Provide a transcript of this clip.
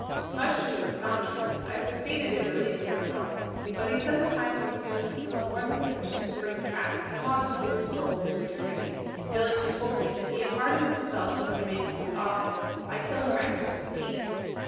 Much to his astonishment, I succeeded in releasing myself, but he said the time consumed was more than sufficient to spring the trap and launch the doomed soul into eternity. Billington told me that he had hardened himself to the demands of his office by killing rats with his teeth.